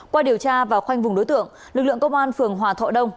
qua điều tra và khoanh vùng đối tượng lực lượng công an phường hòa thọ đông